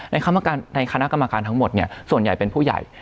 ในคณะกรรมการทั้งหมดส่วนใหญ่เป็นผู้ใหญ่